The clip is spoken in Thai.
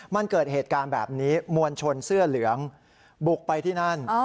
มันเกิดเหตุการณ์แบบนี้มวลชนเสื้อเหลืองบุกไปที่นั่น